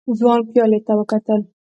ځوان پيالې ته وکتل.